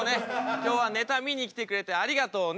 今日はネタ見に来てくれてありがとうね。